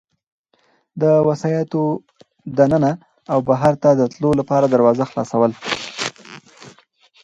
د وسایطو د ننه او بهرته د وتلو لپاره دروازه خلاصول.